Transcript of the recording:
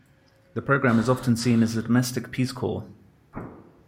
The program is often seen as a domestic Peace Corps.